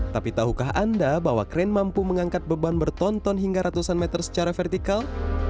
tapi tahukah anda bahwa kren mampu mengangkat beban bertonton hingga ratusan meter secara vertikal